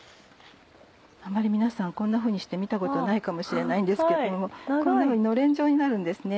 あんまり皆さんこんなふうにして見たことはないかもしれないんですけどこんなふうにのれん状になるんですね。